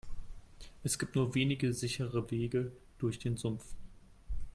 Es gibt nur wenige sichere Wege durch den Sumpf.